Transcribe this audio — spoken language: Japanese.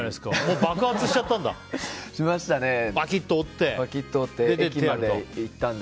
爆発しちゃったんだ。